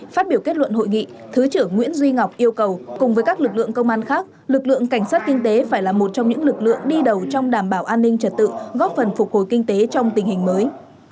phát biểu kết luận hội nghị thứ trưởng nguyễn duy ngọc yêu cầu cùng với các lực lượng công an khác lực lượng cảnh sát kinh tế phải là một trong những lực lượng đi đầu trong đảm bảo an ninh trật tự góp phần phục hồi kinh tế trong tình hình mới